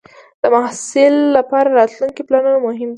د محصل لپاره راتلونکې پلانول مهم دی.